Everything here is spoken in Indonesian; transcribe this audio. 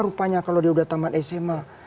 rupanya kalau dia udah taman sma